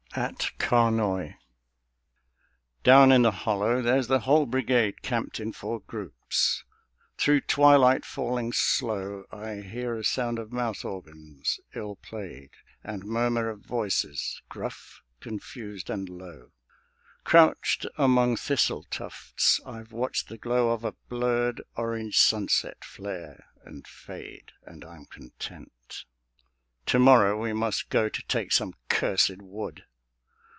AT CARNOY Down in the hollow there's the whole Brigade Camped in four groups: through twilight falling slow I hear a sound of mouth organs, ill played, And murmur of voices, gruff, confused, and low. Crouched among thistle tufts I've watched the glow Of a blurred orange sunset flare and fade; And I'm content. To morrow we must go To take some cursèd Wood....